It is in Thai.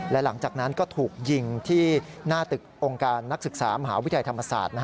และหลังจากนั้นก็ถูกยิงที่หน้าตึกองค์การนักศึกษามหาวิทยาลัยธรรมศาสตร์